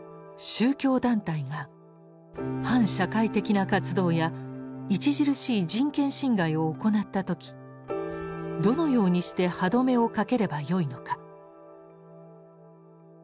宗教団体が反社会的な活動や著しい人権侵害を行った時どのようにして歯止めをかければよいのか？